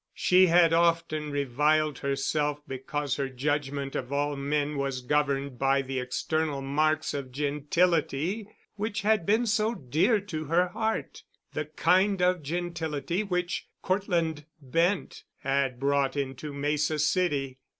She had often reviled herself because her judgment of all men was governed by the external marks of gentility which had been so dear to her heart—the kind of gentility which Cortland Bent had brought into Mesa City.